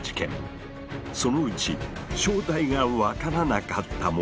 そのうち正体が分からなかったものが。